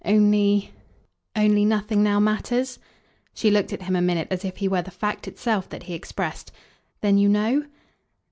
"Only nothing now matters?" She looked at him a minute as if he were the fact itself that he expressed. "Then you know?"